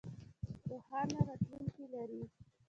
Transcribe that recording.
روښانه راتلوونکې لرئ